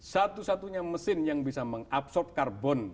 satu satunya mesin yang bisa mengabsorb karbon